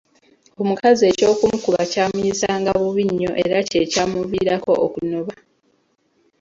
Omukazi eky'okumukuba kyamuyisanga bubi nnyo era ky'ekyamuviirako okunoba.